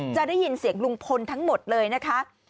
จะได้ยินเสียงลุงพลทั้งหมดเลยนะคะ